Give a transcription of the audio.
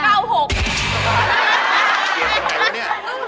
มักเสียตัวไหนอันนี้